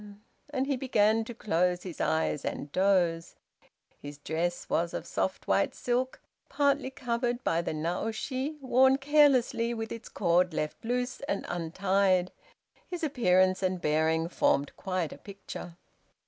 and he began to close his eyes and doze. His dress was of soft white silk, partly covered by the naoshi, worn carelessly, with its cord left loose and untied. His appearance and bearing formed quite a picture.